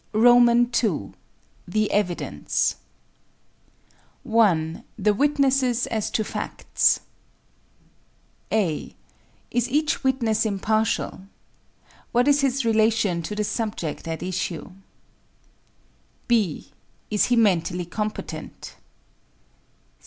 _ II. THE EVIDENCE 1. The witnesses as to facts (a) Is each witness impartial? What is his relation to the subject at issue? (b) Is he mentally competent?